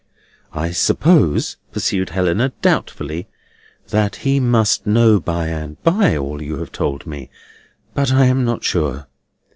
"I suppose," pursued Helena, doubtfully, "that he must know by and by all you have told me; but I am not sure.